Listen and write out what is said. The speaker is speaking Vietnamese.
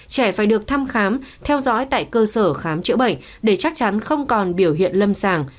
trẻ phải được thăm khám theo dõi tại cơ sở khám chữa bệnh để chắc chắn không còn biểu hiện lâm sàng